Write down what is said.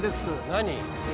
何？